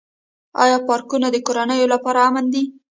آیا پارکونه د کورنیو لپاره امن دي؟